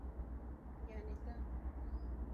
يعنې ته.